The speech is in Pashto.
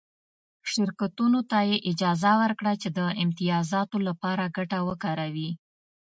شرکتونو ته یې اجازه ورکړه چې د امتیازاتو لپاره ګټه وکاروي